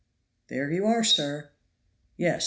"There you are, sir." "Yes!